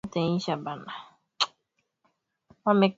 eza nishati mwilini na hilo huchangia mtu kuwa na uzito